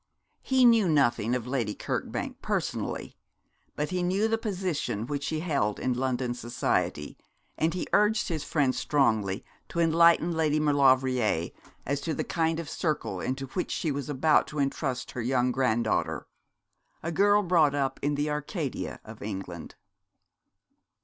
He knew nothing of Lady Kirkbank personally; but he knew the position which she held in London society, and he urged his friend strongly to enlighten Lady Maulevrier as to the kind of circle into which she was about to entrust her young granddaughter, a girl brought up in the Arcadia of England.